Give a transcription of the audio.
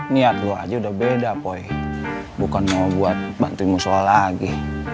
niat lo aja udah beda poi bukan mau buat bantuin musola lagi